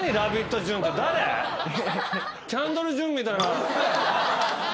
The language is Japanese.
キャンドル・ジュンみたいな。